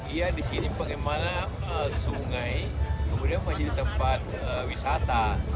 iya di sini bagaimana sungai kemudian menjadi tempat wisata